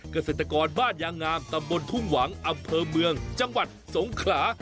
เกษตรกรบ้านยางงามตำบลทุ่งหวังอำเภอเมืองจังหวัดสงขลา